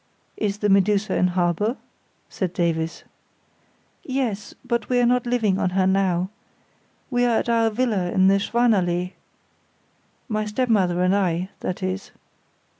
"Is the Medusa in harbour?" said Davies. "Yes; but we are not living on her now. We are at our villa in the Schwannallée—my stepmother and I, that is."